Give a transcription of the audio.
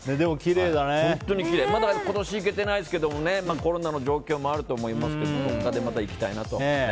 まだ今年行けてないですけどコロナの状況もあると思いますけど、また行きたいなと。